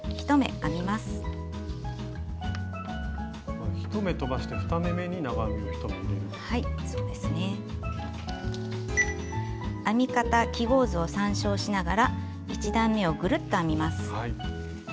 編み方記号図を参照しながら１段めをグルッと編みます。